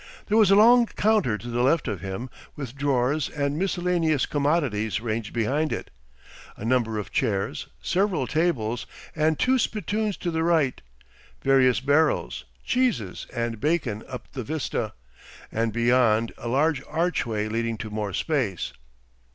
There was a long counter to the left of him, with drawers and miscellaneous commodities ranged behind it, a number of chairs, several tables, and two spittoons to the right, various barrels, cheeses, and bacon up the vista, and beyond, a large archway leading to more space.